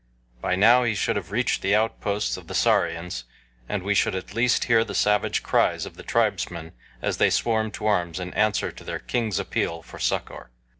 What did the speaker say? By now he should have reached the outposts of the Sarians, and we should at least hear the savage cries of the tribesmen as they swarmed to arms in answer to their king's appeal for succor.